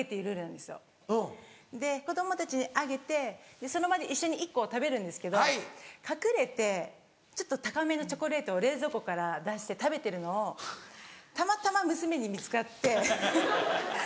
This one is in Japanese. うん。で子供たちにあげてその場で一緒に１個を食べるんですけど隠れてちょっと高めのチョコレートを冷蔵庫から出して食べてるのをたまたま娘に見つかって。